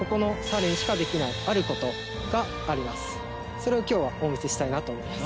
それをきょうはお見せしたいなと思います